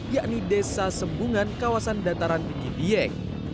yakni desa sembungan kawasan dataran di gidieng